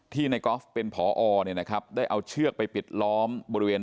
ที่ในกอฟเป็นผ่ออ๋อนะครับได้เอาเชือกไปปิดล้อมบริเวณ